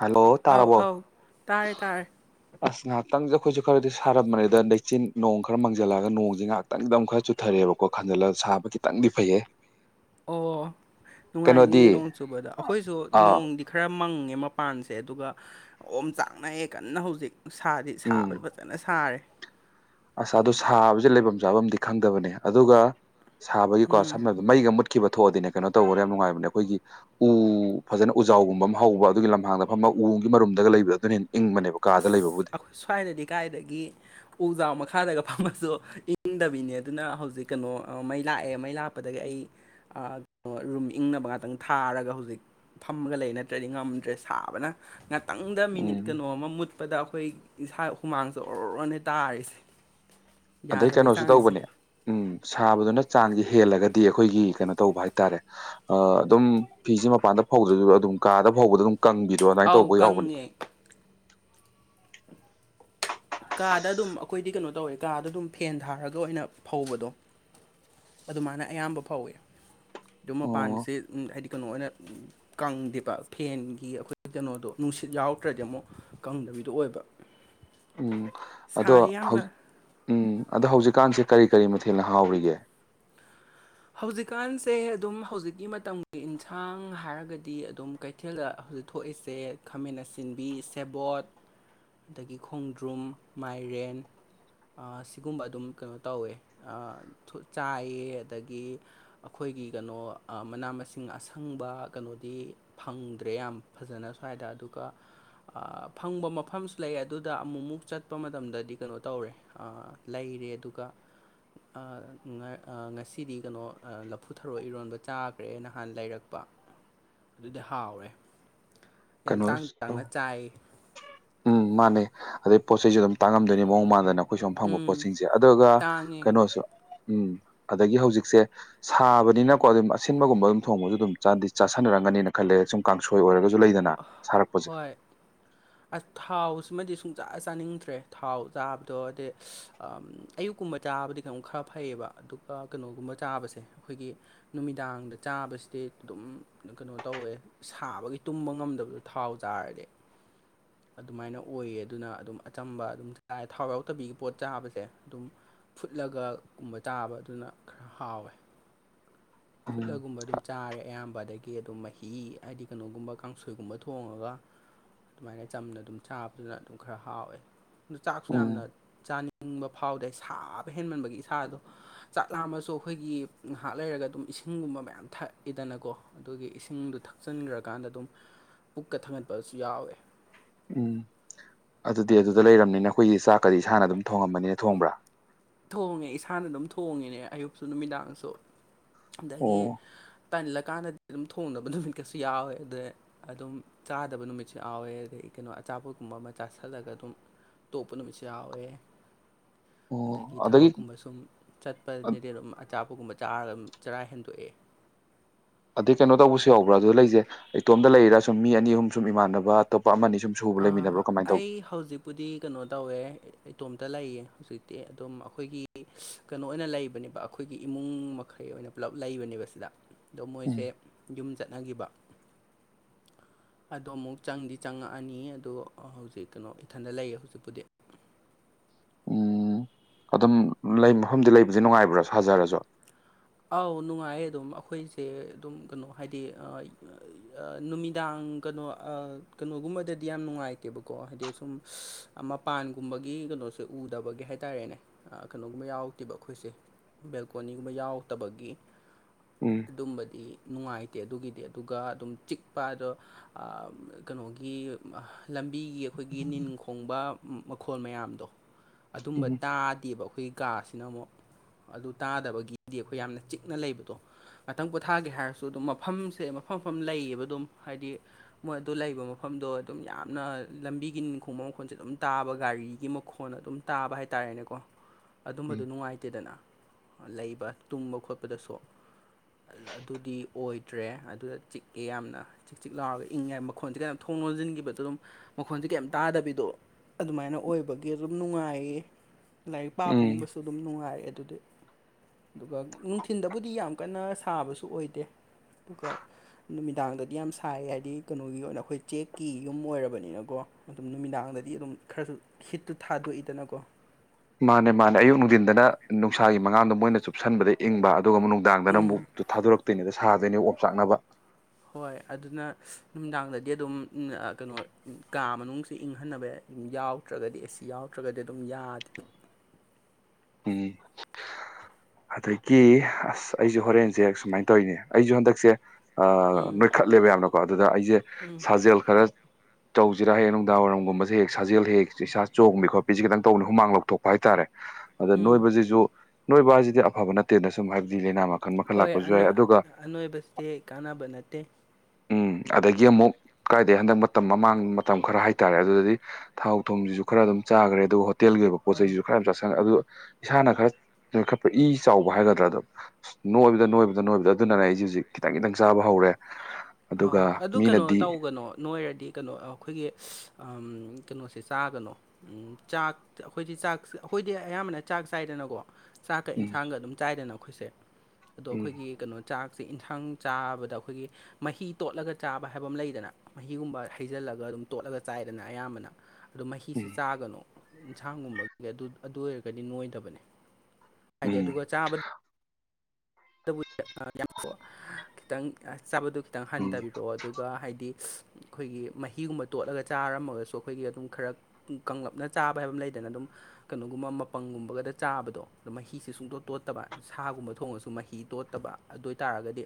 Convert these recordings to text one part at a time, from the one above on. hello ꯑꯧ ꯇꯥꯔꯥꯔꯕꯣ ꯑꯧ ꯇꯥꯔꯦ ꯇꯥꯔꯦ ꯑꯁ ꯉꯥꯏꯍꯥꯛꯇꯪꯁꯦ ꯑꯩꯈꯣꯏꯁꯨ ꯈꯔꯗꯤ ꯁꯥꯔꯝꯕꯅꯤꯗ ꯂꯩꯆꯤꯟꯣꯡ ꯈꯔ ꯃꯥꯡꯖꯜꯂꯒ ꯅꯣꯡꯁꯦ ꯉꯥꯏꯍꯥꯛꯇꯪꯗꯤ ꯑꯗꯨꯝ ꯈꯔ ꯆꯨꯊꯔꯦ ꯕꯀꯣ ꯈꯟꯖꯤꯜꯂꯒ ꯁꯥꯕ ꯈꯤꯇꯪꯗꯤ ꯐꯩꯌꯦ ꯑꯣ ꯀꯩꯅꯣꯗꯤ ꯅꯨꯡꯉꯥꯏꯅꯤꯌꯦ ꯅꯣꯡ ꯆꯨꯕꯗ ꯑꯩꯈꯣꯏꯁꯨ ꯑꯥ ꯅꯣꯡꯗꯤ ꯈꯔ ꯃꯪꯉꯦ ꯃꯄꯥꯟꯁꯦ ꯑꯗꯨꯒ ꯑꯝ ꯆꯥꯛꯅꯩꯑꯌꯦ ꯀꯟꯅ ꯍꯧꯖꯤꯛ ꯁꯥꯗꯤ ꯎꯝ ꯁꯥꯕꯗꯤ ꯐꯖꯅ ꯁꯥꯔꯦ ꯑꯁ ꯑꯗꯨꯗꯣ ꯁꯥꯕꯁꯦ ꯂꯩꯐꯝ ꯆꯥꯐꯝ ꯑ ꯈꯪꯗꯕꯅꯦ ꯑꯗꯨꯒ ꯁꯥꯕꯒꯤꯀꯣ ꯎꯝ ꯁꯝꯅꯗ ꯃꯩꯒ ꯃꯨꯠꯈꯤꯕꯗꯣ ꯊꯣꯛꯣꯛꯑꯗꯤꯅꯦ ꯀꯩꯅꯣ ꯇꯧꯕꯅ ꯌꯥꯝꯅ ꯅꯨꯡꯉꯥꯏꯕꯅꯦ ꯑꯩꯈꯣꯏꯒꯤ ꯎ ꯐꯖꯅ ꯎꯖꯥꯎꯒꯨꯝꯕ ꯑꯃ ꯍꯧꯕ ꯑꯗꯨꯒꯤ ꯂꯝꯍꯥꯡꯗ ꯐꯝꯕ ꯎ ꯒꯤ ꯃꯔꯨꯝꯗꯒ ꯂꯩꯕ ꯑꯗꯨꯅꯤꯅꯦ ꯑꯁ ꯑꯩꯈꯣꯏ ꯁ꯭ꯋꯥꯏꯗꯗꯤ ꯀꯥꯏꯗꯒꯤ ꯎꯖꯥ ꯃꯈꯥꯗꯒ ꯃꯐꯝꯝ ꯑꯃꯁꯁꯨ ꯏꯪꯗꯕꯤꯅꯦ ꯑꯗꯨꯅ ꯍꯧꯖꯤꯛ ꯀꯩꯅꯣ ꯃꯩ ꯂꯥꯛꯑꯦ ꯃꯩ ꯂꯥꯛꯄꯗꯒꯤ ꯑꯩ ꯔꯨꯝ ꯏꯪꯅꯕ ꯉꯥꯛꯇꯪ ꯊꯥꯔꯒ ꯍꯧꯖꯤꯛ ꯐꯝꯃꯒ ꯂꯩ ꯅꯠꯇ꯭ꯔꯗꯤ ꯉꯝꯗ꯭ꯔꯦ ꯁꯥꯕꯅ ꯈꯤꯇꯪꯗ ꯃꯤꯅꯤꯠ ꯎꯝ ꯀꯩꯅꯣ ꯑꯃ ꯃꯨꯠꯄꯗ ꯑꯩꯈꯣꯏ ꯏꯁꯥ ꯍꯨꯃꯥꯡꯁꯦ ꯑꯣꯔꯔꯅꯦ ꯇꯥꯔꯤꯁꯦ ꯑꯗꯩ ꯌꯥꯗꯕꯩ ꯀꯩꯅꯣꯁꯨ ꯆꯥꯡꯁꯦ ꯇꯧꯕꯅꯦ ꯎꯝ ꯁꯥꯕꯗꯨ ꯅ ꯍꯛ ꯆꯥꯡꯁꯦ ꯍꯦꯜꯂꯒꯗꯤ ꯑꯩꯈꯣꯏꯒꯤ ꯀꯩꯅꯣ ꯇꯧꯕ ꯍꯥꯏꯇꯥꯔꯦ ꯑꯗꯨꯝ ꯐꯤꯁꯦ ꯃꯄꯥꯟꯗ ꯐꯧꯗ꯭ꯔꯁꯨ ꯑꯗꯨꯝ ꯄꯨꯡꯀꯥꯗ ꯐꯥꯎꯕꯗ ꯑꯗꯨꯝ ꯀꯪꯕꯤꯗꯣ ꯑꯗꯨꯃꯥꯏꯅ ꯑꯧ ꯇꯧꯕ ꯌꯥꯎꯕꯅꯦ ꯀꯪꯉꯦ ꯀꯥꯗ ꯑꯗꯨꯝ ꯑꯩꯈꯣꯏꯗꯤ ꯀꯩꯅꯣ ꯇꯧꯋꯦ ꯀꯥꯗ ꯑꯗꯨꯝ ꯐꯦꯟ ꯊꯥꯔꯒ ꯑꯣꯏꯅ ꯐꯧꯕꯗꯣ ꯑꯗꯨꯃꯥꯏꯅ ꯑꯌꯥꯝꯕ ꯐꯧꯋꯦ ꯑꯗꯨ ꯑꯣ ꯃꯄꯥꯟꯁꯦ ꯍꯥꯏꯗꯤ ꯀꯩꯅꯣ ꯑꯣꯏꯅ ꯀꯪꯗꯦꯕ ꯐꯦꯟꯒꯤ ꯑꯩꯈꯣꯏ ꯀꯩꯅꯣꯗꯣ ꯅꯨꯡꯁꯤꯠ ꯌꯥꯎꯔꯗ꯭ꯔꯗꯤ ꯑꯃꯨꯛ ꯀꯪꯗꯕ ꯑꯣꯏꯕꯤꯗꯣ ꯑꯣꯏꯕ ꯎꯝ ꯑꯗꯣ ꯁꯥꯏ ꯌꯥꯝꯅ ꯍꯧꯖꯤꯛ ꯎꯝ ꯑꯗꯣ ꯍꯧꯖꯤꯛꯀꯥꯟꯁꯦ ꯀꯔꯤ ꯀꯔꯤ ꯃꯊꯦꯜꯅ ꯍꯥꯎꯔꯤꯒꯦ ꯍꯧꯖꯤꯛꯀꯥꯟꯁꯦ ꯑꯗꯨꯝ ꯍꯧꯖꯤꯛꯀꯤ ꯃꯇꯝꯒꯤ ꯑꯦꯟꯁꯥꯡ ꯍꯥꯏꯔꯒꯗꯤ ꯑꯗꯨꯝ ꯀꯩꯊꯦꯜꯗ ꯍꯧꯖꯤꯛ ꯊꯣꯛꯏꯁꯦ ꯈꯥꯃꯦꯟ ꯑꯁꯤꯟꯕꯤ ꯁꯦꯕꯣꯠ ꯑꯗꯒꯤ ꯈꯣꯡꯗ꯭ꯔꯨꯝ ꯃꯥꯏꯔꯦꯟ ꯁꯤꯒꯨꯝꯕ ꯑꯗꯨꯝ ꯀꯩꯅꯣ ꯇꯧꯋꯦ ꯆꯥꯏꯑ ꯑꯗꯒꯤ ꯑꯩꯈꯣꯏꯒꯤ ꯀꯩꯅꯣ ꯃꯅꯥ ꯃꯁꯤꯡ ꯑꯁꯪꯕ ꯀꯩꯅꯣꯗꯤ ꯐꯪꯗ꯭ꯔꯦ ꯌꯥꯝ ꯐꯖꯅ ꯁ꯭ꯋꯥꯏꯗ ꯑꯗꯨꯒ ꯐꯪꯕ ꯃꯐꯝꯁꯨ ꯂꯩ ꯑꯗꯨꯗ ꯑꯃꯨꯛꯃꯨꯛ ꯆꯠꯄ ꯃꯇꯝꯗꯗꯤ ꯀꯩꯅꯣ ꯇꯧꯔꯦ ꯂꯩ ꯄꯤꯔꯦ ꯑꯗꯨꯒ ꯁꯤꯗꯤ ꯀꯩꯅꯣ ꯂꯐꯨꯊꯔꯣ ꯏꯔꯣꯟꯕ ꯆꯥꯈ꯭ꯔꯦ ꯅꯍꯥꯟ ꯂꯩꯔꯛꯄ ꯑꯗꯨꯗꯤ ꯍꯥꯎꯔꯦ ꯌꯥꯝ ꯀꯩꯅꯣ ꯇꯥꯡ ꯇꯥꯡꯅ ꯆꯥꯏ ꯎꯝ ꯃꯥꯅꯦ ꯑꯗꯩ ꯄꯣꯠ ꯆꯩꯁꯨ ꯑꯗꯨꯝ ꯇꯥꯡꯉꯝꯗꯣꯏꯅꯤ ꯃꯑꯣꯡ ꯃꯥꯟꯗꯅ ꯑꯩꯈꯣꯏ ꯁꯣꯝ ꯐꯪꯕ ꯎꯝ ꯄꯣꯠꯁꯤꯡꯁꯦ ꯑꯗꯨꯒ ꯇꯥꯡꯉꯦ ꯀꯩꯅꯣꯁꯨ ꯎꯝ ꯑꯗꯒꯤ ꯍꯧꯖꯤꯛꯁꯦ ꯁꯥꯕꯅꯤꯅꯀꯣ ꯑꯗꯨꯝ ꯑꯁꯤꯟꯕꯒꯨꯝꯕ ꯑꯗꯨꯝ ꯊꯣꯡꯕꯁꯨ ꯑꯗꯨꯝ ꯆꯟꯅꯔ ꯑꯅꯤꯅ ꯈꯜꯂꯦ ꯁꯨꯝ ꯀꯥꯡꯁꯣꯏ ꯑꯣꯏꯔꯒꯁꯨ ꯂꯩꯗꯅ ꯁꯥꯔꯛꯄꯁꯦ ꯍꯣꯏ ꯑꯁ ꯊꯥꯎꯁꯤꯃꯗꯤ ꯁꯨꯡꯆꯥꯥ ꯆꯥꯅꯤꯡꯗ꯭ꯔꯦ ꯊꯥꯎ ꯆꯥꯕꯗꯣ ꯑꯗꯩ ꯑꯌꯨꯛꯀꯨꯝꯕ ꯆ ꯆꯥꯕꯗꯤ ꯀꯩꯅꯣꯝ ꯈꯔ ꯐꯩꯌꯦꯕ ꯑꯗꯨꯒ ꯀꯩꯅꯣꯒꯨꯝꯕ ꯆꯥꯕꯁꯦ ꯑꯩꯈꯣꯏꯒꯤ ꯅꯨꯃꯤꯗꯥꯡꯗ ꯆꯥꯕꯁꯤꯗꯤ ꯑꯗꯨꯝ ꯀꯩꯅꯣ ꯇꯧꯋꯦ ꯁꯥꯕꯒꯤ ꯇꯨꯝꯕ ꯉꯝꯗꯕꯗꯣ ꯊꯥꯎ ꯆꯥꯔꯗꯤ ꯑꯗꯨꯃꯥꯏꯅ ꯑꯣꯏꯌꯦ ꯑꯗꯨꯅ ꯑꯗꯨꯝ ꯑꯆꯝꯕ ꯑꯗꯨꯝ ꯆ ꯊꯥꯎ ꯌꯥꯎꯗꯕꯤꯒꯤ ꯄꯣꯠ ꯆꯥꯕꯁꯦ ꯑꯗꯨꯝ ꯐꯨꯠꯂꯒꯒꯨꯝꯕ ꯇꯥꯕ ꯑꯗꯨꯅ ꯈꯔ ꯍꯥꯎꯋꯦ ꯎꯝ ꯐꯨꯠꯂꯒꯨꯝꯕ ꯑꯗꯨꯝ ꯆꯥꯔꯦ ꯑꯌꯥꯝꯕ ꯑꯗꯒꯤ ꯑꯗꯨꯝ ꯃꯍꯤ ꯍꯥꯏꯗꯤ ꯀꯩꯅꯣꯒꯨꯝꯕ ꯀꯥꯡꯁꯣꯏꯒꯨꯝꯕ ꯊꯣꯡꯉꯒ ꯑꯗꯨꯃꯥꯏꯅ ꯆꯝꯅ ꯑꯗꯨꯝ ꯆꯥꯕꯗꯨꯅ ꯑꯗꯨꯝ ꯈꯔ ꯍꯥꯎꯋꯦ ꯑꯗꯨ ꯆꯥꯛꯁꯨ ꯌꯥꯝꯅ ꯎꯝ ꯆꯥꯅꯤꯡꯕ ꯐꯥꯎꯗꯦ ꯑꯩ ꯁꯥꯕ ꯍꯦꯟꯃꯟꯕꯒꯤ ꯏꯁꯥ ꯑꯗꯣ ꯆꯥꯛꯂꯥꯑꯝꯃꯁꯨ ꯑꯩꯈꯣꯏꯒꯤ ꯉꯥꯏꯍꯥꯛ ꯂꯩꯔꯒ ꯑꯗꯨꯝ ꯏꯁꯤꯡꯒꯨꯝꯕ ꯃꯌꯥꯝ ꯊꯛꯏꯗꯅꯀꯣ ꯑꯗꯨꯒꯤ ꯏꯁꯤꯡꯗꯨ ꯊꯛꯆꯟꯈ꯭ꯔꯒ ꯀꯥꯟꯗ ꯑꯗꯨꯝ ꯄꯨꯛꯀ ꯊꯥꯡꯒꯠꯄꯁꯨ ꯌꯥꯎꯋꯦ ꯎꯝ ꯑꯗꯨꯗꯤ ꯑꯗꯨꯗ ꯂꯩꯔꯕꯝꯅꯤꯅ ꯑꯩꯈꯣꯏꯒꯤ ꯆꯥꯛꯀꯗꯤ ꯏꯁꯥꯅ ꯑꯗꯨꯝ ꯊꯣꯡꯉꯝꯕꯅꯤꯅ ꯊꯣꯡꯕ꯭ꯔꯥ ꯊꯣꯡꯉꯦ ꯏꯁꯥꯅ ꯑꯗꯨꯝ ꯊꯣꯡꯉꯦꯅꯦ ꯑꯌꯨꯛꯁꯨ ꯅꯨꯃꯤꯗꯥꯡꯁꯨ ꯑꯗꯒꯤ ꯑꯣ ꯇꯥꯜꯂꯀꯥꯟꯗꯗꯤ ꯑꯗꯨꯝ ꯊꯣꯡꯅꯕ ꯅꯨꯃꯤꯠꯀꯁꯨ ꯌꯥꯎꯋꯦ ꯑꯗꯩ ꯑꯗꯨꯝ ꯆꯥꯗꯕ ꯅꯨꯃꯤꯠꯁꯨ ꯌꯥꯎꯋꯦ ꯑꯗꯩ ꯀꯩꯅꯣ ꯑꯆꯥꯄꯣꯠꯀꯨꯝꯕ ꯑꯃ ꯆꯁꯤꯜꯂꯒ ꯑꯗꯨꯝ ꯇꯣꯛꯞꯄ ꯅꯨꯃꯤꯠꯁꯨ ꯌꯥꯎꯋꯦ ꯑꯗꯒꯤ ꯊꯕꯛꯀꯨꯝꯕ ꯁꯨꯝ ꯆꯠꯄꯗꯗꯤ ꯑꯗꯨꯝ ꯑꯆꯥꯕꯄꯒꯨꯝꯕ ꯆꯔꯥ ꯍꯦꯟꯗꯣꯛꯑꯦ ꯑꯗꯩ ꯀꯩꯅꯣ ꯇꯧꯕꯁꯨ ꯌꯥꯎꯕ꯭ꯔꯥ ꯑꯗꯨ ꯂꯩꯖꯦ ꯑꯩ ꯏꯇꯣꯝꯗ ꯂꯩꯔꯥ ꯁꯨꯝ ꯃꯤ ꯑꯅꯤ ꯑꯍꯨꯝ ꯁꯨꯝ ꯏꯃꯥꯟꯅꯕ ꯑꯇꯣꯞꯄ ꯑꯃ ꯑꯅꯤ ꯁꯨꯝ ꯁꯨꯕ ꯂꯩꯃꯤꯟꯅꯕ꯭ꯔꯣ ꯀꯃꯥꯏꯅ ꯑꯩ ꯇꯧꯒꯦ ꯍꯧꯖꯤꯛꯄꯨꯗꯤ ꯀꯩꯅꯣ ꯇꯧꯋꯦ ꯏꯇꯣꯝ ꯗ ꯂꯩꯌꯦ ꯍꯧꯖꯤꯛꯇꯤ ꯑꯗꯨꯝ ꯑꯩꯈꯣꯏꯒꯤ ꯀꯩꯅꯣ ꯑꯣꯏꯅ ꯂꯩꯕꯅꯦꯕ ꯑꯩꯈꯣꯏꯒꯤ ꯏꯃꯨꯡ ꯃꯈꯩ ꯑꯣꯏꯅ ꯄꯨꯂꯞ ꯂꯩꯕꯅꯦꯕ ꯁꯤꯗ ꯑꯗꯣ ꯎꯝ ꯃꯣꯏꯁꯦ ꯌꯨꯝ ꯆꯠꯅꯈꯤꯕ ꯑꯗꯣ ꯑꯃꯨꯛ ꯆꯪꯗꯤ ꯆꯪꯉꯛ ꯑꯅꯤ ꯑꯗꯣ ꯍꯧꯖꯤꯛ ꯀꯩꯅꯣ ꯏꯊꯟꯗ ꯂꯩꯌꯦ ꯍꯧꯖꯤꯛꯄꯨꯗꯤ ꯎꯝ ꯑꯗꯨꯝ ꯂꯩ ꯃꯐꯝꯗꯤ ꯂꯩꯕꯁ ꯅꯨꯡꯉꯥꯏꯕ꯭ꯔꯥ ꯁꯥꯖꯔꯁꯨ ꯑꯧ ꯅꯨꯡꯉꯥꯏꯌꯦ ꯑꯗꯨꯝ ꯑꯩꯈꯣꯏꯁꯦ ꯑꯗꯨꯝ ꯀꯩꯅꯣ ꯍꯥꯏꯗꯤ ꯅꯨꯃꯤꯗꯥꯡ ꯀꯩꯅꯣ ꯀꯩꯅꯣꯒꯨꯝꯕꯗꯗꯤ ꯌꯥꯝ ꯅꯨꯡꯉꯥꯏꯇꯦꯕꯀꯣ ꯍꯥꯏꯗꯤ ꯁꯨꯝ ꯃꯄꯥꯟꯒꯨꯝꯕꯒꯤ ꯁꯤ ꯀꯩꯅꯣꯁꯦ ꯎꯗꯕꯒꯤ ꯍꯥꯏꯇꯥꯔꯦꯅꯦ ꯀꯩꯅꯣꯒꯨꯝꯕ ꯌꯥꯎꯗꯦꯕ ꯑꯩꯈꯣꯏꯁꯦ ꯕꯦꯜꯀꯣꯅꯤꯒꯨꯝꯕ ꯌꯥꯎꯦ ꯇꯕꯒꯤ ꯎꯝ ꯑꯗꯨꯝꯕꯗꯤ ꯅꯨꯡꯉꯥꯏꯇꯦ ꯑꯗꯨꯒꯤꯗꯤ ꯑꯗꯨꯒ ꯑꯗꯨꯝ ꯆꯤꯛꯄ ꯑꯗꯣ ꯀꯩꯅꯣ [unintelligible] ꯄꯤꯒꯤ ꯑꯩꯈꯣꯏꯒꯤ ꯅꯤꯟ ꯈꯣꯡꯕ ꯃꯈꯣꯜ ꯃꯌꯥꯝꯗꯣ ꯑꯗꯨꯝꯕ ꯎꯝ ꯇꯥꯗꯦꯕ ꯑꯩꯈꯣꯏꯒꯤ ꯀꯥꯁꯤꯅ ꯑꯃꯨꯛ ꯑꯗꯨ ꯇꯥꯗꯕꯒꯤ ꯗꯤ ꯑꯩꯈꯣꯏ ꯌꯥꯝꯅ ꯆꯤꯛꯅ ꯂꯩꯕꯗꯣ ꯉꯥꯛꯇꯪ ꯄꯣꯊꯥꯒꯦ ꯍꯥꯏꯔꯁꯨ ꯑꯗꯨꯝ ꯃꯐꯝꯁꯦ ꯃꯐꯝ ꯃꯐꯝ ꯂꯩꯌꯦꯕ ꯑꯗꯨꯝ ꯍꯥꯏꯗꯤ ꯃꯣꯏ ꯑꯗꯨ ꯂꯩꯕ ꯃꯐꯝꯗꯣ ꯑꯗꯨꯝ ꯌꯥꯝꯅ ꯂꯝꯕꯤꯒꯤ ꯅꯤꯡꯈꯣꯡ ꯃꯈꯣꯟꯁꯦ ꯑꯗꯨꯝ ꯇꯥꯕ ꯒꯥꯔꯤ ꯔꯤꯒꯤ ꯃꯈꯣꯟ ꯑꯗꯨꯝ ꯇꯥꯕ ꯍꯥꯏꯇꯥꯔꯦꯅꯦꯀꯣ ꯎꯝ ꯑꯗꯨꯝꯕꯗꯨꯣ ꯅꯨꯡꯉꯥꯏꯇꯦꯗꯅ ꯂꯩꯕ ꯇꯨꯝꯕ ꯈꯣꯠꯄꯗꯁꯨ ꯑꯗꯨꯗꯤ ꯑꯣꯏꯗ꯭ꯔꯦ ꯑꯗꯨꯗ ꯆꯤꯛꯑꯦ ꯌꯥꯝꯅ ꯆꯤꯛ ꯆꯤꯛ ꯂꯥꯎꯔꯒ ꯏꯪꯉꯦ ꯃꯈꯣꯟꯁꯦ ꯀꯩꯅꯣꯝ ꯊꯣꯡ ꯂꯣꯟꯁꯤꯟꯈꯤꯕꯗꯣ ꯑꯗꯨꯝ ꯃꯈꯣꯟꯁꯦ ꯀꯩ ꯇꯥꯗꯕꯤꯗꯣ ꯑꯗꯨꯃꯥꯏꯅ ꯑꯣꯏꯕꯒꯤ ꯑꯗꯨꯝ ꯅꯨꯡꯉꯥꯏꯌꯦ ꯂꯥꯏꯔꯤꯛ ꯎꯝ ꯄꯥꯄꯒꯨꯝꯕꯁꯨ ꯑꯗꯨꯝ ꯅꯨꯡꯉꯥꯏꯔꯦ ꯑꯗꯨꯗꯤ ꯑꯗꯨꯒ ꯅꯨꯡꯊꯤꯟꯗꯕꯨꯗꯤ ꯌꯥꯝ ꯀꯟꯅ ꯁꯥꯕꯁꯨ ꯑꯣꯏꯗꯦ ꯑꯗꯨꯒ ꯅꯨꯃꯤꯗꯥꯡꯗꯗꯤ ꯌꯥꯝ ꯁꯥꯏ ꯍꯥꯏꯗꯤ ꯀꯩꯅꯣꯒꯤ ꯑꯣꯏꯅ ꯑꯩꯈꯣꯏ ꯆꯦꯛꯀꯤ ꯌꯨꯝ ꯑꯣꯏꯔꯕꯅꯤꯅꯀꯣ ꯑꯗꯨꯝ ꯅꯨꯃꯤꯗꯥꯡꯗꯗꯤ ꯑꯗꯨꯝ ꯈꯔꯁꯨ ꯍꯤꯠꯇꯨ ꯊꯥꯗꯣꯛꯏꯗꯅꯀꯣ ꯃꯥꯅꯦ ꯃꯥꯅꯦ ꯑꯌꯨꯛ ꯅꯨꯡꯊꯤꯟꯗꯅ ꯅꯨꯡꯁꯥꯒꯤ ꯃꯉꯥꯗꯣ ꯃꯣꯏꯅ ꯆꯨꯞꯁꯟꯕꯗ ꯏꯪꯕ ꯑꯗꯨꯒ ꯑꯃꯨꯛ ꯅꯨꯡꯗꯥꯡꯗꯅ ꯎꯝ ꯑꯃꯨꯛꯇꯨ ꯊꯥꯗꯣꯔꯛꯇꯣꯏꯅꯤꯗ ꯁꯥꯗꯣꯏꯅꯦ ꯑꯣꯞ ꯆꯥꯛꯅꯕ ꯍꯣꯏ ꯑꯗꯨꯅ ꯅꯨꯡꯗꯥꯡꯗꯗꯤ ꯑꯗꯨꯝ ꯀꯩꯅꯣ ꯀꯥ ꯃꯅꯨꯡꯁꯤꯦ ꯏꯪꯍꯟꯅꯕ ꯌꯥꯏ ꯌꯥꯎꯗ꯭ꯔꯒꯗꯤ ꯑꯦꯁꯤ ꯌꯥꯎꯗ꯭ꯔꯒꯗꯤ ꯑꯗꯨꯝ ꯌꯥꯗꯦ ꯎꯝ ꯑꯗꯒꯤ ꯑꯁ ꯑꯩꯁꯨ ꯍꯣꯔꯦꯟꯁꯦ ꯁꯨꯃꯥꯏꯅ ꯇꯧꯋꯔꯤꯅꯦ ꯑꯩꯁꯨ ꯍꯟꯗꯛꯁꯦ ꯑ ꯎꯝ ꯅꯣꯏꯈꯠꯂꯦꯕ ꯌꯥꯝꯅꯀꯣ ꯑꯗꯨꯗ ꯑꯩꯁꯦ ꯎꯝ ꯁꯥꯖꯦꯜ ꯈꯔ ꯇꯧꯁꯤꯔꯥ ꯍꯦꯛ ꯅꯨꯡꯗꯥꯡꯏꯝꯒꯨꯝꯕꯁꯦ ꯍꯦꯛ ꯁꯥꯖꯦꯜ ꯍꯦꯛ ꯏꯁꯥ ꯆꯣꯡꯕꯤ ꯈꯣꯠꯄꯤꯁꯤ ꯈꯤꯇꯪ ꯇꯧꯅꯤ ꯍꯨꯃꯥꯡ ꯂꯧꯊꯣꯛꯄ ꯍꯥꯏꯇꯥꯔꯦ ꯑꯗ ꯎꯝ ꯅꯣꯏꯕꯁꯤꯁꯨ ꯅꯣꯏꯕ ꯍꯥꯏꯁꯤꯗꯤ ꯑꯐꯕ ꯅꯠꯇꯦꯅ ꯁꯨꯝ ꯍꯥꯏꯕꯗꯤ ꯂꯥꯏꯅꯥ ꯃꯈꯜ ꯃꯈꯜ ꯍꯣꯏ ꯂꯥꯛꯄꯁꯨ ꯌꯥꯏ ꯑꯗꯨꯒ ꯑꯅꯣꯏꯕꯕꯁꯤꯦ ꯀꯥꯟꯅꯕ ꯅꯠꯇꯦ ꯎꯝ ꯑꯗꯒꯤ ꯑꯃꯨꯛ ꯀꯥꯏꯗꯩ ꯍꯟꯗꯛ ꯃꯇꯝ ꯃꯃꯥꯡ ꯃꯇꯝ ꯈꯔ ꯍꯥꯏꯇꯥꯔꯦ ꯑꯗꯨꯗꯗꯤ ꯊꯥꯎ ꯊꯨꯝꯁꯤꯁꯨ ꯈꯔ ꯑꯗꯨꯝ ꯆꯥꯈ꯭ꯔꯦ ꯑꯗꯨꯒ ꯇꯦꯜꯒꯤ ꯑꯣꯏꯕ ꯄꯣꯠ ꯑꯥ ꯆꯩꯁꯤꯁꯨ ꯈꯔ ꯌꯥꯝ ꯆꯥ ꯁꯪꯉ ꯑꯗꯨ ꯏꯁꯥꯅ ꯈꯔ ꯅꯣꯏ ꯈꯠꯄ ꯏ ꯆꯥꯎꯕ ꯍꯥꯏꯒꯗ꯭ꯔꯥ ꯑ ꯅꯣꯏꯕꯗ ꯅꯣꯏꯕꯗ ꯅꯣꯏꯕꯗ ꯑꯗꯨꯅꯅꯦ ꯑꯩꯁ ꯍꯧꯖꯤꯛ ꯈꯤꯇꯪ ꯈꯤꯇꯪ ꯆꯥꯕ ꯍꯧꯔꯦ ꯄꯨꯔꯦ ꯑ ꯑꯗꯨ ꯀꯩꯅꯣ ꯇꯧꯒꯅꯣ ꯅꯣꯏꯔꯗꯤ ꯀꯩꯅꯣ ꯑꯩꯈꯣꯏꯒꯤ ꯀꯩꯅꯣꯁꯦ ꯆꯥꯒꯅꯣ ꯆꯥꯛ ꯑꯩꯈꯣꯏꯗꯤ ꯆꯥꯛ ꯑꯩꯈꯣꯏꯗꯤ ꯑꯌꯥꯝꯕꯅ ꯆꯥꯛ ꯆꯥꯏꯗꯅ ꯆꯥꯛ ꯎꯝ ꯌꯦꯥꯡꯝ ꯆꯥꯏꯗꯅ ꯑꯩ ꯑ ꯎꯝ ꯑꯩꯣꯏꯒꯤꯩꯅꯣ ꯆꯥꯛꯁꯦ ꯏꯟꯊꯥꯡ ꯆꯥꯕꯗ ꯑꯩꯈꯣꯏꯒꯤ ꯃꯍꯤ ꯇꯣꯠꯂꯒ ꯆꯥꯕ ꯍꯥꯏꯕ ꯑꯃ ꯂꯩꯗꯅ ꯃꯍꯤꯒꯨꯝꯕ ꯍꯩꯖꯤꯜꯂꯒ ꯑꯗꯨꯝ ꯇꯣꯠꯂꯒ ꯆꯥꯏꯗꯅ ꯑꯌꯥꯝꯕꯅ ꯑꯗꯨꯗꯣ ꯃꯍꯤꯁ ꯎꯝ ꯆꯥꯒꯅꯨ ꯏꯟꯁꯥꯡꯒꯨꯝꯕꯒꯤ ꯑꯗꯨ ꯑꯣꯏꯔꯒꯗꯤ ꯅꯣꯏꯗꯕꯅꯦ ꯍꯥꯏꯗꯤꯦ ꯎꯝ ꯑꯗꯨꯒ ꯆꯥ ꯕꯨ ꯌꯥꯝ ꯈꯤꯇꯪ ꯆꯥꯕꯗꯨ ꯈꯤꯇꯪ ꯎꯝ ꯍꯟꯊꯕꯤꯔꯛꯑꯣ ꯑꯗꯨꯒ ꯍꯥꯏꯗꯤ ꯑꯩꯈꯣꯏꯒꯤ ꯃꯍꯤꯒꯨꯝꯕ ꯇꯣꯠꯂꯒ ꯆꯥꯔꯝꯃꯒꯁꯨ ꯑꯩꯈꯣꯏꯒꯤ ꯑꯗꯨꯝ ꯈꯔ ꯀꯪꯂꯞꯅ ꯆꯥꯕ ꯍꯥꯏꯕ ꯑꯃ ꯂꯩꯗꯅ ꯑꯗꯨꯝ ꯀꯩꯅꯣꯒꯨꯝꯕ ꯃꯄꯪꯒꯨꯝꯕꯒꯗ ꯆꯥꯕꯗꯣ ꯑ ꯃꯍꯤꯁꯦ ꯁꯨꯡꯇꯣ ꯇꯣꯠꯇꯕ ꯁꯥꯒꯨꯝꯕ ꯊꯣꯡꯉꯁꯨ ꯁꯨ ꯃꯍꯤ ꯇꯣꯠꯇꯕ ꯑꯗꯨ ꯑꯣꯏꯇꯥꯔꯒꯗꯤ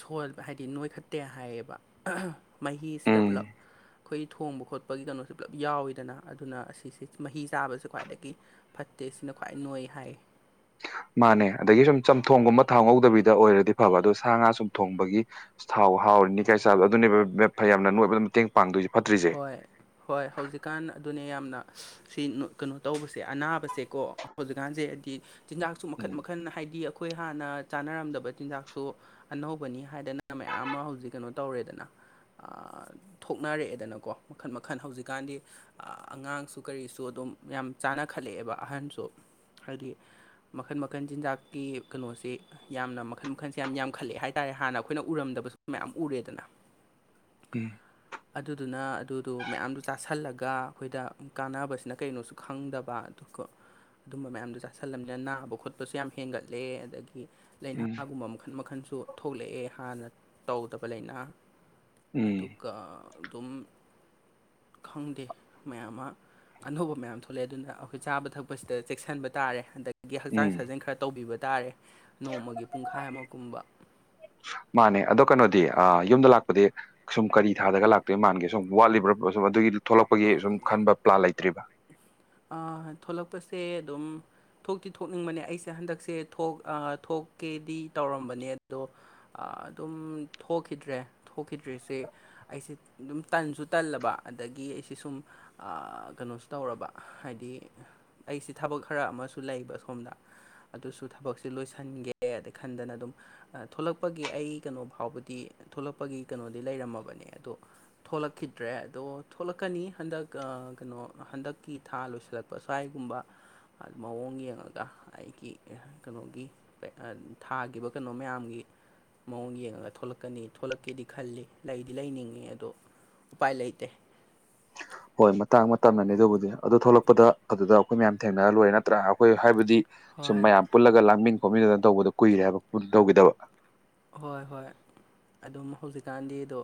ꯁꯕ ꯍꯥꯏꯕꯗꯤ ꯅꯣꯏꯈꯠꯇꯦ ꯍꯥꯏꯌꯦꯕ ꯃꯍꯤꯁꯤꯗ ꯎꯝ ꯄꯨꯂꯞ ꯑꯩꯈꯣꯏ ꯊꯣꯡꯕ ꯈꯣꯠꯄꯒꯤ ꯀꯩꯅꯣꯁꯦ ꯄꯨꯂꯞ ꯌꯥꯎꯋꯤꯗꯅ ꯑꯗꯨ ꯑꯗꯨꯅ ꯑꯁꯤꯁ ꯃꯍꯤ ꯆꯥꯕꯕꯁꯤ ꯈ꯭ꯋꯥꯏꯗꯒꯤ ꯐꯠꯇꯦ ꯁꯤꯅ ꯈ꯭ꯋꯥꯏ ꯅꯣꯏ ꯍꯥꯏ ꯃꯥꯅꯦ ꯑꯗꯒꯤ ꯁꯨꯝ ꯆꯝꯊꯣꯡꯒꯨꯝꯕ ꯊꯥꯎꯍꯧꯗꯕꯤꯗ ꯑꯣꯏꯔꯗꯤ ꯐꯕ ꯑꯗꯣ ꯁꯥ ꯉꯥ ꯁꯨꯝ ꯊꯣꯡꯕꯒꯤ ꯥꯎ ꯍꯥꯎꯔ ꯅꯤꯀꯥꯏ ꯆꯥꯕ ꯑꯗꯨꯅꯦꯕ ꯐ ꯌꯥꯝꯅ ꯅꯣꯏꯕꯗ ꯃꯇꯦꯡ ꯄꯥꯡꯗꯣꯏꯁ ꯍꯣꯏ ꯍꯣꯏ ꯍꯧꯖꯤꯛꯀꯥꯟ ꯑꯗꯨꯅꯦ ꯌꯥꯝꯅ ꯁꯤ ꯀꯩꯅꯣ ꯇꯧꯕꯁꯦ ꯑꯅꯥꯕꯁꯦꯀꯣ ꯍꯧꯖꯤꯛꯀꯥꯟꯁꯦ ꯍꯥꯏꯗꯤ ꯆꯤꯟꯖꯥꯛꯁꯨ ꯃꯈꯟ ꯎꯝ ꯃꯈꯜ ꯍꯥꯏꯗꯤ ꯑꯩꯈꯣꯏ ꯍꯥꯟꯅ ꯆꯥꯅꯔꯝꯗꯕ ꯆꯤꯟꯖꯥꯛꯁꯨ ꯑꯅꯧꯕꯅꯤ ꯍꯥꯏꯗꯅ ꯃꯌꯥꯝ ꯑꯃ ꯍꯧꯖꯤꯛ ꯀꯩꯅꯣ ꯇꯧꯔꯦꯗꯅ ꯊꯣꯛꯅꯔꯛꯑꯦꯗꯅꯀ ꯀꯣ ꯃꯈꯟ ꯃꯈꯜ ꯍꯧꯖꯤꯛꯀꯥꯟꯗꯤ ꯑꯉꯥꯡꯁꯨ ꯀꯔꯤꯁꯨ ꯑꯗꯨꯝ ꯌꯥꯝ ꯆꯥꯅꯈꯠꯂꯛꯑꯦꯕ ꯑꯍꯟꯁꯨ ꯍꯥꯏꯗꯤ ꯃꯈꯟ ꯃꯈꯜ ꯆꯤꯟꯖꯥꯛꯀꯤ ꯀꯩꯅꯣꯁꯤ ꯌꯥꯝꯅ ꯃꯈꯜ ꯃꯈꯟꯁꯦ ꯌꯥꯝ ꯌꯥꯝꯈꯠꯂꯑꯦ ꯍꯥꯏꯇꯥꯔꯦ ꯍꯥꯟꯅ ꯑꯩꯈꯣꯏꯅ ꯎꯔꯝꯗ ꯃꯌꯥꯝ ꯎꯔꯦꯗꯅ ꯎꯝ ꯅ ꯑꯗꯨꯗꯣ ꯃꯌꯥꯝꯗꯨ ꯆꯥꯥꯁꯜꯂꯒ ꯑꯩꯈꯣꯏꯗ ꯀꯥꯟꯅꯕꯁꯤꯅ ꯀꯩꯅꯣꯁꯨ ꯈꯪꯗꯕ ꯑꯗꯨꯒ ꯑꯗꯨꯝꯕ ꯃꯌꯥꯝꯗꯣ ꯆꯥꯥꯁꯜꯂꯝꯅꯤꯅ ꯅꯥꯕ ꯈꯣꯠꯄꯁꯨ ꯌꯥꯝ ꯍꯦꯟꯒꯠꯂꯦ ꯑꯗꯒꯤ ꯎꯝ ꯂꯩꯥꯏꯅꯥꯒꯨꯝꯕ ꯃꯈꯜ ꯃꯈꯜꯁꯨ ꯊꯣꯛꯂꯛꯑꯦ ꯍꯥꯟꯅ ꯇꯧꯗꯕ ꯂꯩꯥꯏꯅꯥ ꯎꯝ ꯑꯗꯨꯒ ꯑꯗꯨꯝ ꯈꯪꯗꯦ ꯃꯌꯥꯝ ꯑꯃ ꯑꯅꯧꯕ ꯃꯌꯥꯝ ꯊꯣꯛꯂꯛꯑꯦ ꯑꯗꯨꯅ ꯑꯩꯈꯣꯏ ꯆꯥꯕ ꯊꯛꯄꯁꯤꯗ ꯆꯦꯛꯁꯤꯟꯕ ꯇꯥꯔꯦ ꯍꯟꯗꯛ ꯑꯗꯒꯤ ꯍꯛꯆꯥꯡ ꯎꯝ ꯁꯥꯖꯦꯜ ꯈꯔ ꯇꯧꯕꯤꯕ ꯇꯥꯔꯦ ꯅꯣꯡꯃꯒꯤ ꯄꯨꯡꯈꯥꯏ ꯑꯃ ꯀꯨꯝꯕ ꯃꯥꯅꯦ ꯑꯗꯣ ꯀꯩꯅꯣꯗꯤ ꯌꯨꯝꯗ ꯂꯥꯛꯄꯗꯤ ꯁꯨꯝ ꯀꯔꯤ ꯊꯥꯗꯒ ꯂꯥꯛꯇꯣꯏ ꯃꯥꯟꯒꯦ ꯁꯨꯝ ꯋꯥꯠꯂꯤꯕ꯭ꯔꯥ ꯁꯨꯝ ꯑꯗꯨꯒꯤ ꯊꯣꯛꯂꯛꯄꯒꯤ ꯁꯨꯝ ꯈꯟꯕ ꯄ꯭ꯂꯥꯟ ꯂꯩꯇ꯭ꯔꯤꯕ ꯑ ꯊꯣꯛꯂꯛꯄꯁꯦ ꯑꯗꯨꯝ ꯊꯣꯛꯇꯤ ꯊꯣꯛꯅꯤꯡꯕꯅꯦ ꯑꯩꯁꯦ ꯍꯟꯗꯛꯁꯦ ꯊꯣꯛ ꯊꯣꯛꯀꯦꯗꯤ ꯇꯧꯔꯝꯕꯅꯦ ꯑꯗꯣ ꯑꯗꯨꯝ ꯊꯣꯛꯈꯤꯗ꯭ꯔꯦ ꯊꯣꯛꯈꯤꯗ꯭ꯔꯤꯁꯦ ꯑꯩꯁꯦ ꯑꯗꯨꯝ ꯇꯟꯁꯨ ꯇꯜꯂꯕ ꯑꯗꯒꯤ ꯑꯩꯁꯦ ꯁꯤ ꯁꯨꯝ ꯀꯩꯅꯣꯁꯨ ꯇꯧꯔꯕ ꯍꯥꯏꯗꯤ ꯑꯩꯁꯤ ꯊꯕꯛ ꯈꯔ ꯑꯃꯁꯨ ꯂꯩꯕ ꯁꯨꯝ ꯑꯗꯨꯁꯨ ꯊꯕꯛꯁꯦ ꯂꯣꯏꯁꯤꯟꯒꯦ ꯑꯗꯩ ꯈꯟꯗꯅ ꯑꯗꯨꯝ ꯊꯣꯛꯂꯛꯄꯒꯤ ꯑꯩ ꯀꯩꯅꯣ ꯐꯥꯎꯕꯗꯤ ꯊꯣꯛꯂꯛꯄꯒꯤ ꯀꯩꯅꯣꯗꯤ ꯂꯩꯔꯝꯃꯕꯅꯦ ꯑꯗꯣ ꯊꯣꯛꯂꯛꯈꯤꯗ꯭ꯔꯦ ꯑꯗꯣ ꯀꯛꯀꯅꯤ ꯍꯟꯗꯛ ꯀꯩꯅꯣ ꯍꯟꯗꯛꯀꯤ ꯊꯥ ꯂꯣꯏꯁꯤꯜꯂꯛꯄ ꯁ꯭ꯋꯥꯏꯒꯨꯝꯕ ꯃꯑꯣꯡ ꯌꯦꯡꯉꯒ ꯑꯩꯒꯤ ꯀꯩꯅꯣꯒꯤ ꯊꯥꯈꯤꯕ ꯀꯩꯅꯣ ꯃꯌꯥꯝꯒꯤ ꯃꯑꯣꯡ ꯌꯦꯡꯉꯒ ꯊꯂꯛꯀꯅꯤ ꯊꯣꯛꯂꯛꯀꯦꯗꯤ ꯈꯜꯂꯤ ꯂꯩꯗꯤ ꯂꯩꯅꯤꯡꯉꯤ ꯑꯗꯣ ꯎꯄꯥꯏ ꯂꯩꯇꯦ ꯍꯣꯏ ꯃꯇꯥꯡ ꯃꯇꯝꯅꯅꯤ ꯑꯗꯨꯕꯨꯗꯤ ꯑꯗꯨ ꯊꯣꯛꯂꯛꯄꯗ ꯑꯗꯨꯗ ꯑꯩꯈꯣꯏ ꯃꯌꯥꯝ ꯊꯦꯡꯅꯔ ꯂꯣꯏꯔꯦ ꯅꯠꯇ꯭ꯔꯥ ꯑꯩꯈꯣꯏ ꯍꯥꯏꯕꯗꯤ ꯁꯨꯝ ꯍꯣꯏ ꯃꯌꯥꯝ ꯄꯨꯜꯂꯒ ꯂꯥꯡꯃꯤꯟ ꯈꯣꯝꯃꯤꯟꯗꯅ ꯇꯧꯕꯗꯣ ꯀꯨꯏꯔꯦ ꯍꯥꯏꯕ ꯇꯧꯈꯤꯗꯕ ꯍꯣꯏ ꯍꯣꯏ ꯑꯗꯨꯝ ꯍꯧꯖꯤꯛꯀꯥꯟꯗꯤꯗꯣ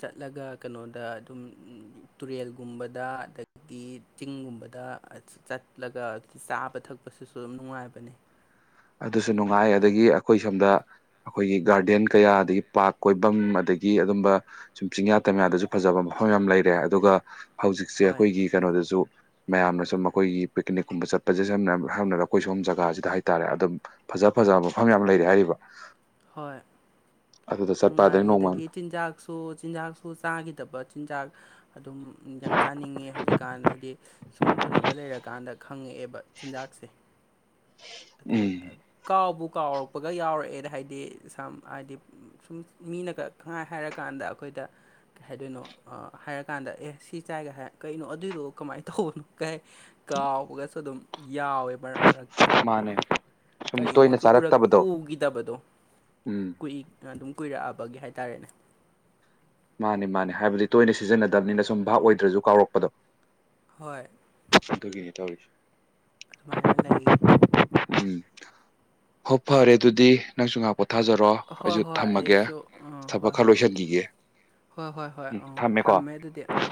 ꯆꯠꯂꯒ ꯀꯩꯅꯣꯗ ꯑꯗꯨꯝ ꯇꯨꯔꯦꯜꯒꯨꯝꯕꯗ ꯑꯗꯒꯤ ꯆꯤꯡꯒꯨꯝꯕꯗ ꯑꯗ ꯆꯠꯂꯒ ꯆꯥꯕ ꯊꯛꯄꯁꯤꯁꯨ ꯑꯗꯨꯝ ꯅꯨꯡꯉꯥꯏꯕꯅꯤ ꯑꯗꯨꯁꯨ ꯅꯨꯡꯉꯥꯏ ꯑꯗꯒꯤ ꯑꯩꯈꯣꯏ ꯁꯣꯝꯗ ꯑꯩꯈꯣꯏꯒꯤ ꯒꯥꯔꯗꯦꯟ ꯀꯌꯥ ꯑꯗꯒꯤ ꯄꯥ꯭ꯔꯛ ꯀꯣꯏꯐꯝ ꯑꯗꯒꯤ ꯑꯗꯒꯤ ꯑꯗꯨꯝꯕ ꯁꯨꯝ ꯆꯤꯡꯌꯥ ꯇꯝꯌꯥꯗꯁꯨ ꯐꯖꯕ ꯃꯐꯝ ꯌꯥꯝ ꯂꯩꯔꯦ ꯑꯗꯨꯒ ꯍꯧꯖꯤꯛꯁꯦ ꯍꯣꯏ ꯑꯩꯈꯣꯏꯒꯤ ꯀꯩꯅꯣꯗꯁꯨ ꯃꯌꯥꯝꯅ ꯁꯨꯝ ꯑꯩꯈꯣꯏꯒꯤ ꯄꯤꯛꯅꯤꯛꯀꯨꯝꯕ ꯆꯠꯄꯁꯦ ꯁꯝꯅꯝꯅꯔ ꯑꯩꯈꯣꯏ ꯁꯣꯝ ꯖꯒꯥꯁꯤꯗ ꯍꯥꯏꯇꯥꯥꯔꯦ ꯑꯗꯨꯝ ꯐꯖ ꯐꯖꯕ ꯃꯐꯝ ꯌꯥꯝ ꯂꯩꯔꯦ ꯍꯥꯏꯔꯤꯕ ꯍꯣꯏ ꯑꯗꯨꯗ ꯆꯠꯄ ꯑꯗꯩ ꯅꯨꯡꯉꯥꯏꯌꯦ ꯅꯣꯡꯃ ꯑꯗꯒꯤ ꯆꯤꯟꯖꯥꯛꯁꯨ ꯆꯤꯟꯖꯥꯛꯁꯨ ꯆꯥꯈꯤꯗꯕ ꯆꯤꯟꯖꯥꯛ ꯑꯗꯨꯝ ꯌꯥꯝ ꯆꯥꯅꯤꯡꯉꯦ ꯍꯧꯖꯤꯛꯀꯥꯟꯗ ꯍꯥꯏꯗꯤ ꯁꯨꯝ ꯀꯩꯅꯣꯗ ꯂꯩꯔꯀꯥꯟꯗ ꯈꯪꯉꯛꯑꯦꯕ ꯆꯤꯟꯖꯥꯛꯁꯦ ꯎꯝ ꯑ ꯀꯥꯎꯕꯨ ꯀꯥꯎꯔꯛꯄꯒ ꯌꯥꯎꯔꯛꯑꯦꯅ ꯍꯥꯏꯗꯤ ꯍꯥꯏꯗꯤ ꯁꯝ ꯍꯥꯏꯗꯤ ꯁꯨꯝ ꯃꯤꯅ ꯀꯛꯥꯏ ꯍꯥꯏꯔꯀꯥꯟꯗ ꯑꯩꯈꯣꯏꯗ ꯀꯩ ꯍꯥꯏꯗꯣꯏꯅꯣ ꯍꯥꯏꯔꯀꯥꯟꯗ ꯑꯦ ꯁꯤ ꯆꯥꯏꯒ ꯍꯥꯏ ꯀꯩꯅꯣ ꯑꯗꯨꯏꯗꯣ ꯀꯃꯥꯏꯅ ꯇꯧꯕꯅꯣ ꯀꯩ ꯀꯥꯎꯕꯒꯁꯨ ꯑꯗꯨꯝ ꯌꯥꯎꯋꯦ ꯃꯔꯛ ꯃꯔꯛꯇ ꯃꯥꯅꯦ ꯁꯨꯝ ꯇꯣꯏꯅ ꯀꯔꯤꯅꯣꯁꯨ ꯆꯥꯔꯛꯇꯕꯗꯣ ꯎꯈꯤꯗꯕꯗꯣ ꯎꯝ ꯀꯨꯏꯏ ꯑꯗꯨꯝ ꯀꯨꯏꯔꯛꯑꯕꯒꯤ ꯍꯥꯏ ꯇꯔꯦꯅꯦ ꯃꯥꯅꯦ ꯃꯥꯅꯦ ꯍꯥꯏꯕꯗꯤ ꯇꯣꯏꯅ ꯁꯤꯖꯤꯟꯅꯗꯕꯅꯤꯅ ꯁꯨꯝ ꯚꯥꯞ ꯑꯣꯏꯗ꯭ꯔꯁꯨ ꯀꯥꯎꯔꯛꯄꯗꯣ ꯍꯣꯏ ꯒꯤꯅꯤ ꯇꯁ ꯑꯗꯨꯃꯥꯏꯅ ꯂꯩ ꯎꯝ ꯍꯣ ꯐꯔꯦ ꯑꯗꯨꯗꯤ ꯅꯪꯁꯨ ꯉꯥꯛꯄ ꯊꯥꯖꯔꯣ ꯍꯣꯏ ꯑꯩꯁꯨ ꯍꯣꯏ ꯊꯝꯃꯒꯦ ꯑꯩꯁꯨ ꯑꯥ ꯊꯕꯛ ꯍꯣꯏ ꯈꯔ ꯍꯣꯏ ꯂꯣꯏꯁꯤꯟꯕꯤꯒꯦ ꯍꯣꯏ ꯍꯣꯏ ꯍꯣꯏ ꯑꯥ ꯊꯝꯃꯦ ꯑꯗꯨꯗꯤ ꯑꯥ